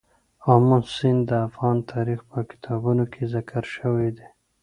آمو سیند د افغان تاریخ په کتابونو کې ذکر شوی دي.